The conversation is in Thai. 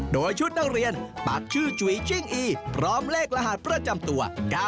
โดยชุดนักเรียนปักชื่อจุ๋ยจิ้งอีพร้อมเลขรหัสประจำตัว๙๙